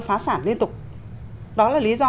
phá sản liên tục đó là lý do